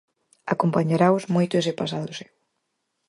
Acompañaraos moito ese pasado seu.